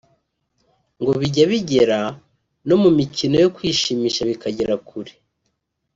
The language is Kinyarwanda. ngo bijya bigera no mu mikino no kwishimisha bikagera kure